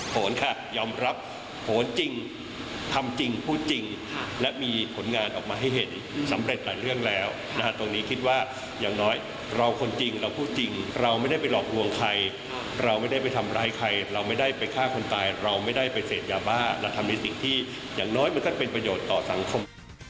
โหนค่ะยอมรับโหนจริงทำจริงพูดจริงและมีผลงานออกมาให้เห็นสำเร็จหลายเรื่องแล้วนะฮะตรงนี้คิดว่าอย่างน้อยเราคนจริงเราพูดจริงเราไม่ได้ไปหลอกลวงใครเราไม่ได้ไปทำร้ายใครเราไม่ได้ไปฆ่าคนตายเราไม่ได้ไปเสพยาบ้าเราทำในสิ่งที่อย่างน้อยมันก็เป็นประโยชน์ต่อสังคม